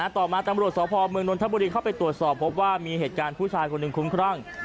ต่อมาตำรวจสพเมืองนทบุรีเข้าไปตรวจสอบพบว่ามีเหตุการณ์ผู้ชายคนหนึ่งคุ้มครั่ง